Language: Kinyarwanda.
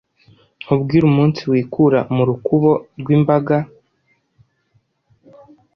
Nkubwire umunsi wikura mu rukubo Rwimbaga